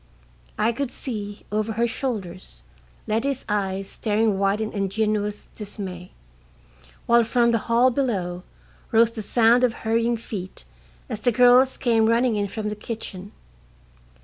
I could see, over her shoulders, Letty's eyes staring wide in ingenuous dismay, while from the hall below rose the sound of hurrying feet as the girls came running in from the kitchen.